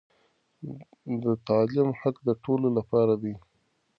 د تعليم حق د ټولو لپاره دی.